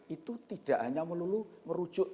itu tidak hanya melulu merujuk